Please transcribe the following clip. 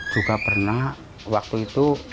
juga pernah waktu itu